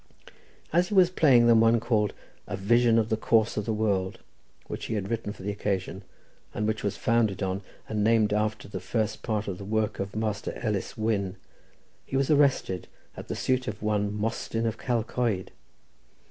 As he was playing them one called "A Vision of the Course of the World," which he had written for the occasion, and which was founded on, and named after, the first part of the work of Master Ellis Wyn, he was arrested at the suit of one Mostyn of Calcoed.